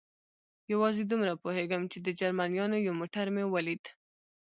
یوازې دومره پوهېږم، چې د جرمنیانو یو موټر مې ولید.